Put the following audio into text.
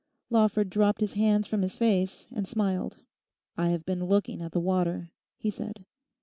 Lawford dropped his hands from his face and smiled. 'I have been looking at the water,' he said.